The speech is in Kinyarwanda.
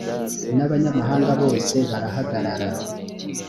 n’abanyamahanga bose barahagarara